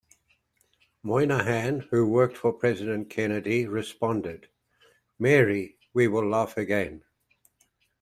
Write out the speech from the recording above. Moynihan, who worked for President Kennedy responded, Mary, we will laugh again.